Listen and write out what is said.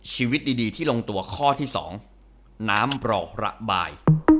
ชีวิตดีที่ลงตัวข้อที่๒น้ำรอระบาย